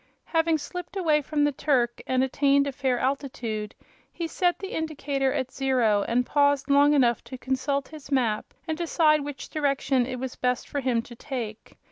Having slipped away from the Turk and attained a fair altitude, he set the indicator at zero and paused long enough to consult his map and decide what direction it was best for him to take.